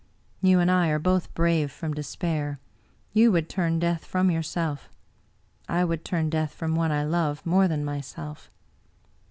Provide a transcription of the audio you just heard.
You and I are both brave from despair; you would turn death from yourself — I would turn death from one I love more than myself.